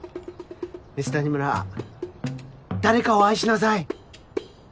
ミス谷村誰かを愛しなさい。